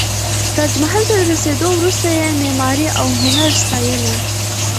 تاج محل ته رسېدو وروسته یې معماري او هنر ستایلی.